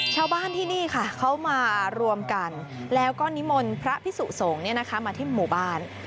ชาวบ้านที่นี่ค่ะเขามารวมกันแล้วก็นิมนต์พระพิสุสงฆ์มาที่หมู่บ้าน